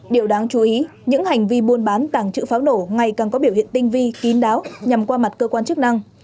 điều đáng chú ý những hành vi buôn bán tàng trữ pháo nổ ngày càng có biểu hiện tinh vi kín đáo nhằm qua mặt cơ quan chức năng